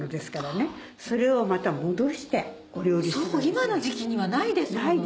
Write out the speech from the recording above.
今の時期にはないですものね。